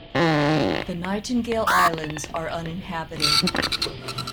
The Nightingale Islands are uninhabited.